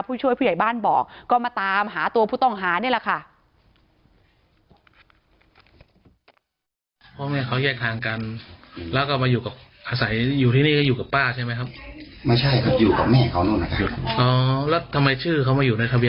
ผู้ช่วยผู้ใหญ่บ้านบอกก็มาตามหาตัวผู้ต้องหานี่แหละค่ะ